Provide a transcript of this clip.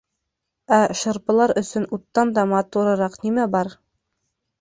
Ә шырпылар өсөн уттан да матурыраҡ нимә бар?